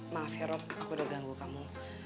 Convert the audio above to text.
maaf ya rob aku udah ganggu kamu